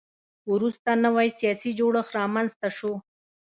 وروسته نوی سیاسي جوړښت رامنځته شو